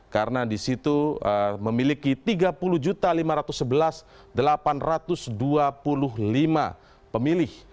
karena di situ memiliki tiga puluh lima ratus sebelas delapan ratus dua puluh lima pemilih